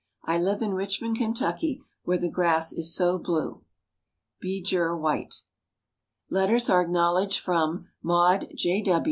I live in Richmond, Kentucky, where the grass is so blue. BIJUR WHITE. Letters are acknowledged from Maude J.